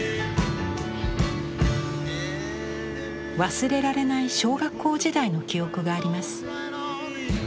忘れられない小学校時代の記憶があります。